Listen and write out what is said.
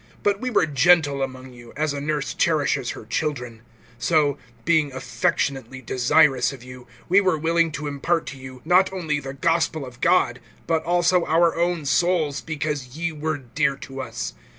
(7)But we were gentle among you, as a nurse cherishes her children; (8)so, being affectionately desirous of you, we were willing to impart to you, not only the gospel of God, but also our own souls, because ye were dear to us.